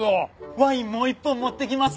ワインもう１本持ってきます。